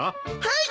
はい！